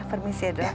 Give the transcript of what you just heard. permisi ya dok